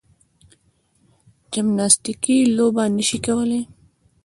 جمناستیکي لوبه نه شي کولای.